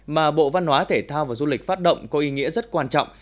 mà bộ văn hóa thể thao và du lịch phát động có ý nghĩa rất quan trọng